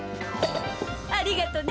ありがとね！